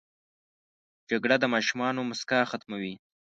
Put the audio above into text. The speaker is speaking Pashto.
جګړه د ماشومانو موسکا ختموي